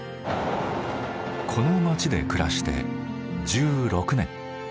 この街で暮らして１６年。